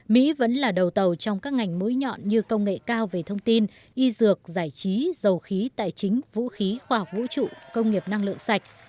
mỹ vẫn là đầu tàu trong các ngành mũi nhọn như công nghệ cao về thông tin y dược giải trí dầu khí tài chính vũ khí khoa học vũ trụ công nghiệp năng lượng sạch